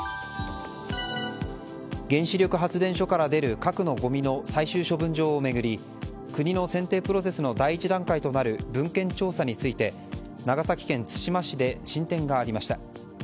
原子力発電所から出る核のごみの最終処分場を巡り国の選定プロセスの第１段階となる文献調査について長崎県対馬市で進展がありました。